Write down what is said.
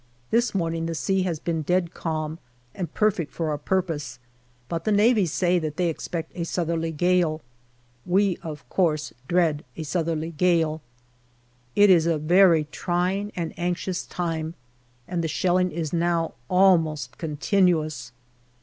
This morning the sea has been dead calm and perfect for our purpose, but the Navy say that they expect a southerly gale. We, of course, dread a southerly gale. It is a very trying and anxious time, and the shelling is now almost continuous.